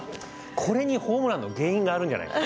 これにホームランの原因があるんじゃないかと。